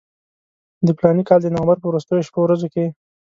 د فلاني کال د نومبر په وروستیو شپو ورځو کې.